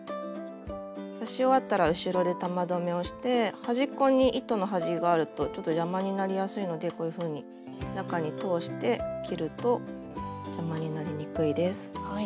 刺し終わったら後ろで玉留めをして端っこに糸の端があるとちょっと邪魔になりやすいのでこういうふうに中に通して切ると邪魔になりにくいです。